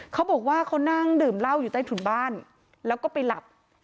เขาบอกว่าเขานั่งดื่มเหล้าอยู่ใต้ถุนบ้านแล้วก็ไปหลับ